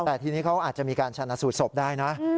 แต่ทีนี้เขาอาจจะมีการชนะสูตรศพได้นะ